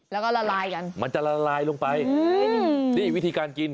แล้วก็ละลายกันมันจะละลายลงไปนี่วิธีการกิน